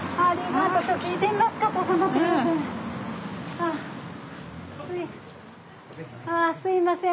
ああすいません